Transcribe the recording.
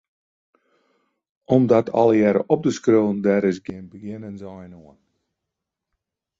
Om dat allegearre op te skriuwen, dêr is gjin begjinnensein oan.